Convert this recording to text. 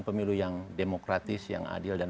pemilu yang demokratis yang adil dan